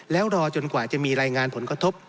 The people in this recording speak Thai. แล้วรอจนกว่าจะมีรายงานผลกระทบ